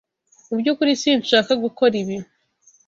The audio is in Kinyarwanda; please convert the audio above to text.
Mu byukuri sinshaka gukora ibi.